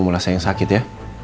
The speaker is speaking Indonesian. mula saya yang sakit ya